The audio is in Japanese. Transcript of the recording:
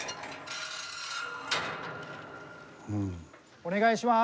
お願いします！